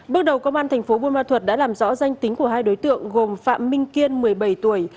bước đầu công an thành phố buôn ma thuật đã làm rõ danh tính của hai đối tượng gồm phạm minh kiên một mươi bảy tuổi